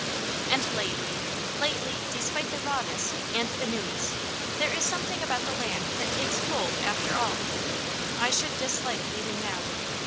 And lately lately, despite the rawness, and the newness, there is something about the land that takes hold, after all. I should dislike leaving now!